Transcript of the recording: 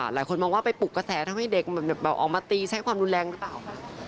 หลายคนมองว่าไปปลุกกระแสทำให้เด็กออกมาตีใช้ความรุนแรงหรือเปล่า